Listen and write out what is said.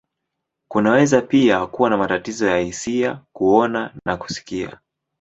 Kunaweza pia kuwa na matatizo ya hisia, kuona, na kusikia.